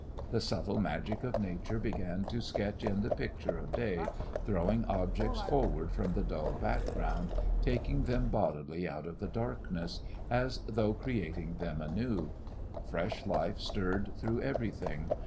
The subtle magic of nature began to sketch in the picture of day, throwing objects forward from the dull background, taking them bodily out of the blackness, as though creating them anew. Fresh life stirred through everything.